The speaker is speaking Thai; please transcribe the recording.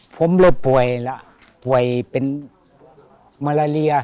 ป่วยเป็นมะระเรีย